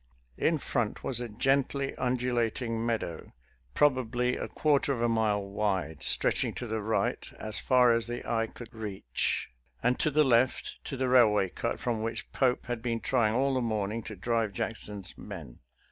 In front was a gently undulating meadow, probably a quarter of a mile wide, stretching to right as far as the eye could reach, and to the left to the railroad cut from which Pope had been trying all the morning to drive Jackson's men.